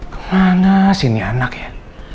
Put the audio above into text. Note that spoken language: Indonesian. kemana sini anak ya